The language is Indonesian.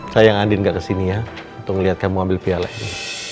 saya yang andin gak kesini ya untuk ngeliat kamu ambil piala ini